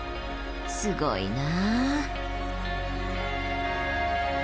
すごいなぁ。